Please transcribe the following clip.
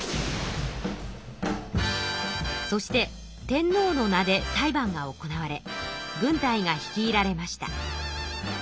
そして天皇の名で裁判が行われ軍隊が率いられました。